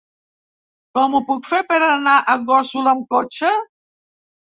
Com ho puc fer per anar a Gósol amb cotxe?